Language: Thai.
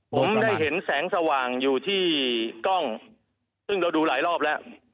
ผมได้เห็นแสงสว่างอยู่ที่กล้องซึ่งเราดูหลายรอบแล้ว